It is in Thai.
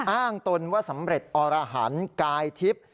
อ้างตนว่าสำเร็จอรหันท์กายทิศ